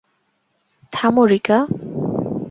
থামো, রিকা!